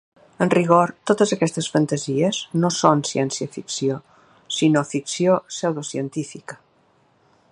En rigor, totes aquestes fantasies no són ciència-ficció, sinó ficció pseudocientífica.